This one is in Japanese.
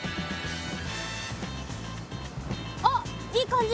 あっいい感じ。